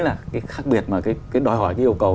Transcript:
là cái khác biệt mà cái đòi hỏi cái yêu cầu